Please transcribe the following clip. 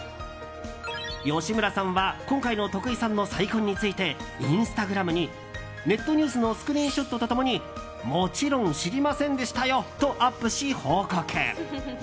吉村さんは今回の徳井さんの再婚についてインスタグラムにネットニュースのスクリーンショットと共にもちろん知りませんでしたよとアップし、報告。